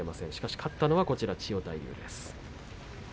勝ったのは千代大龍です。